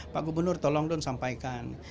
pak gubernur tolong dong sampaikan